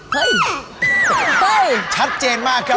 เฮ้ยชัดเจนมากครับ